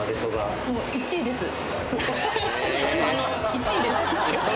１位です。